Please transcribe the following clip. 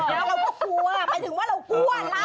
เราก็กลัวหมายถึงว่าเรากลัวเรา